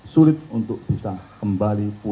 sulit untuk bisa kembali pulang